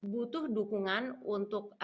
butuh dukungan untuk